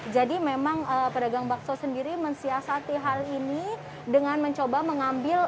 jadi memang pedagang bakso sendiri mensiasati hal ini dengan mencoba mengambil